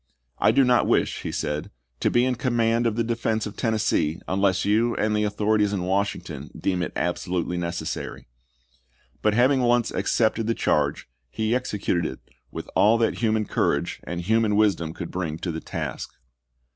" I do not wish," he said, " to be in command of the defense of Tennessee unless you and the authorities in Washington deem it abso lutely necessary"; but having once accepted the charge he executed it with all that human courage and human wisdom could bring to the task.